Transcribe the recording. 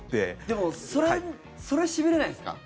でもそれ、しびれないですか。